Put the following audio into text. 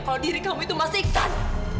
kalau diri kamu itu masih iksan